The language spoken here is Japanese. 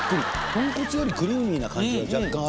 豚骨よりクリーミーな感じが若干あるけども。